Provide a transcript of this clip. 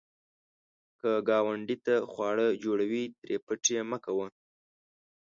که ګاونډي ته خواړه جوړوې، ترې پټ یې مه کوه